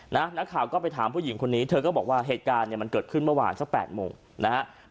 นักข่าวก็ไปถามผู้หญิงคนนี้เธอก็บอกว่าเหตุการณ์เนี่ยมันเกิดขึ้นเมื่อวานสัก๘โมงนะฮะ